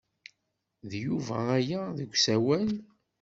D Yuba aya deg usawal.